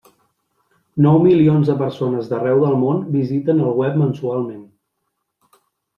Nou milions de persones d'arreu del món visiten el web mensualment.